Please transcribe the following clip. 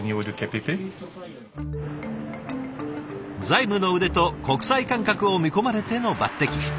財務の腕と国際感覚を見込まれての抜てき。